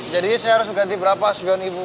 jadi saya harus ganti berapa sepion ibu